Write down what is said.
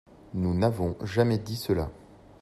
Nous n’avons jamais dit cela